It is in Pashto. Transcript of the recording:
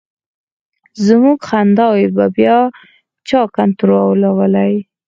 زمونږ خنداوې به بیا چا کنټرولولې.